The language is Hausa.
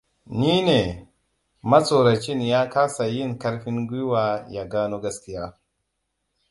Ni ne - matsoracin ya kasa yin ƙarfin gwiwa ya gano gaskiya.